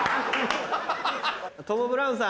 トム・ブラウンさん。